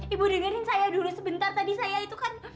ibu dengerin saya dulu sebentar tadi saya itu kan